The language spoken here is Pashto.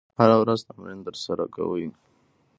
هغه هره ورځ تمرین ترسره کوي.